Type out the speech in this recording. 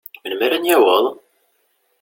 Melmi ara n-yaweḍ?